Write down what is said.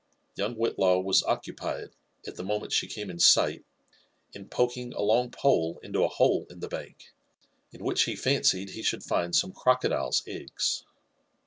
Young Whitlaw was occupied, at the moment she came in sight, in poking a long pole into a hole in the bank, in which he fancied he should Gnd some " crocodile's eggs."